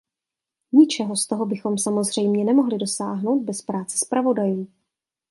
Ničeho z toho bychom samozřejmě nemohli dosáhnout bez práce zpravodajů.